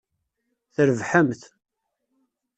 Trebḥemt.